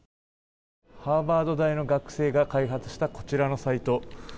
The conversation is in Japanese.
ハーバード大の学生が開発した、こちらのサイト。